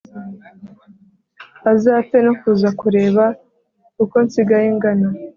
Azapfe no kuza kureba uko nsigaye ngana